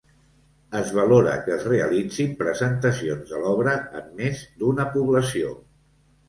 Es valora que es realitzin presentacions de l'obra en més d'una població.